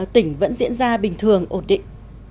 tỉnh vẫn diễn ra bình thường ổn định